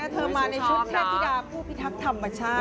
เธอมาในชุดชาติธิดาผู้พิทักษ์ธรรมชาติ